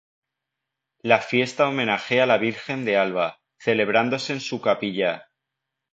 La fiesta homenajea a la Virgen de Alba, celebrándose en su capilla.